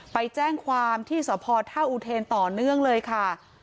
ไปแจ้งความที่สพท่าอุเทนต่อเนื่องเลยค่ะ